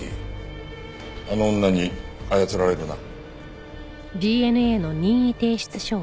榊あの女に操られるな。